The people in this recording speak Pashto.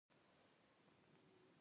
وسله د سولې پروړاندې خنډ ده